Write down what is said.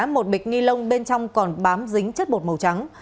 một bịch ni lông bên trong còn bám dính chất bột màu trắng